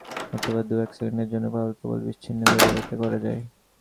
অথবা দু-এক সেকেন্ডের জন্য পাওয়ার কেবল বিচ্ছিন্ন করেও এটা করা যায়।